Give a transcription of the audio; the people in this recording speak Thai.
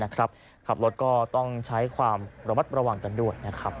ขับรถก็ต้องใช้ความระมัดระวังกันด้วยนะครับ